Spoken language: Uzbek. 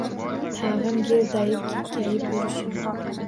Tag‘in gerdayib-kekkayib yurishini